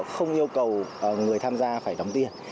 không yêu cầu người tham gia phải đóng tiền